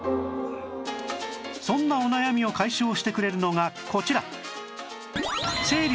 そんなお悩みを解消してくれるのがこちら